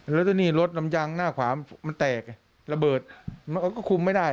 แล้วทีนี้รถน้ำยางหน้าขวามันแตกระเบิดมันก็คุมไม่ได้